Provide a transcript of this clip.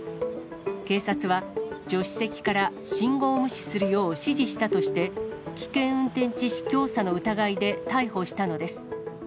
警察は、助手席から信号を無視するよう指示したとして、危険運転致死教唆の疑いで逮捕したのです。